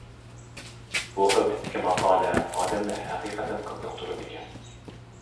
بۇ خىل تىپتىكى ماقالە ئادەمنى ھەقىقەتەن قىزىقتۇرىدىكەن.